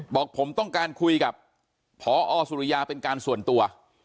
บอกผมต้องการคุยกับพอสุริยาเป็นการส่วนตัว